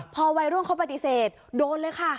พอวัยรุ่นเขาปฏิเสธโดนเลยค่ะ